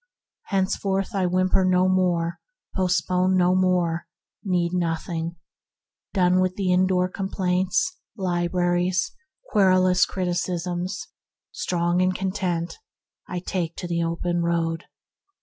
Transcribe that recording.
Henceforth I whimper no more, postpone no more, need nothing; Done with indoor complaints, libraries, querulous criticisms. Strong and content, I take to the open road."